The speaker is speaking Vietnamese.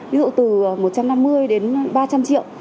ví dụ từ một trăm năm mươi đến ba trăm linh triệu